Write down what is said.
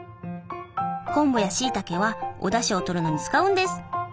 昆布やしいたけはおだしを取るのに使うんです。